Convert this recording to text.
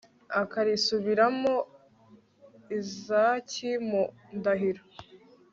akarisubiriramo izaki mu ndahiro